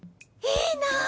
いいな！